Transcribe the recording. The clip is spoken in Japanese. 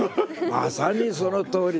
まさにそのとおりで。